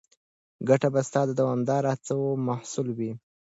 ګټه به ستا د دوامداره هڅو محصول وي.